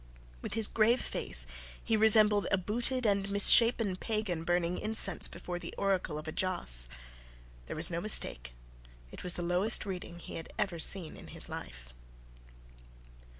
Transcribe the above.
With his grave face he resembled a booted and misshapen pagan burning incense before the oracle of a Joss. There was no mistake. It was the lowest reading he had ever seen in his life.